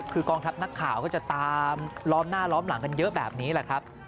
คือกองทัพนักข่าวก็จะตามล้อมหน้าล้อมหลังกันเยอะแบบนี้แหละครับ